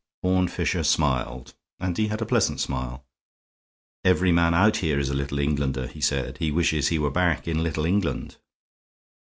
Horne Fisher smiled, and he had a pleasant smile. "Every man out here is a Little Englander," he said. "He wishes he were back in Little England."